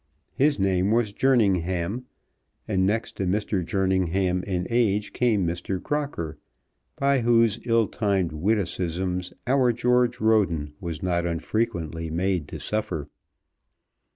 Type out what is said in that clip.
His name was Jerningham, and next to Mr. Jerningham in age came Mr. Crocker, by whose ill timed witticisms our George Roden was not unfrequently made to suffer.